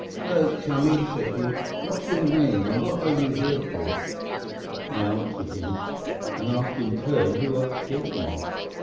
"'"Hallao, chummy!" said he, "what's your name, and what are you here for?" "'I answered him, and asked in turn who I was talking with.